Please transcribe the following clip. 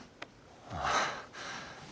ああ。